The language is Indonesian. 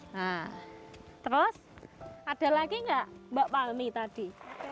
nah terus ada lagi gak mbak palmi tadi